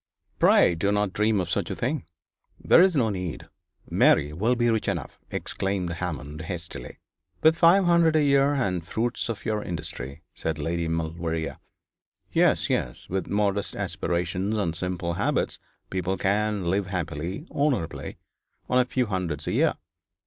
'Pray do not dream of such a thing there is no need Mary will be rich enough,' exclaimed Hammond, hastily. 'With five hundred a year and the fruits of your industry,' said Lady Maulevrier. 'Yes, yes, with modest aspirations and simple habits, people can live happily, honourably, on a few hundreds a year.